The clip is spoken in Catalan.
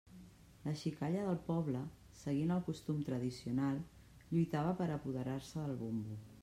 La xicalla del poble, seguint el costum tradicional, lluitava per apoderar-se del bombo.